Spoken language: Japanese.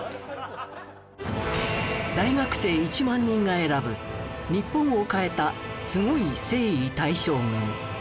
大学生１万人が選ぶ日本を変えたスゴい征夷大将軍。